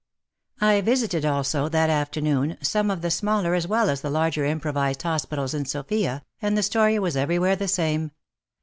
1 visited also that afternoon some of the WAR AND WOMEN 39 smaller as well as the larger improvlzed hospitals in Sofia, and the story was every where the same.